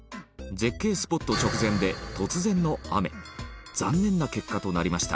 絶景スポット直前で突然の雨残念な結果となりました